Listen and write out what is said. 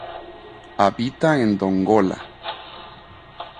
Habita en Dongola.